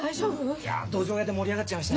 いやどじょう屋で盛り上がっちゃいましてね。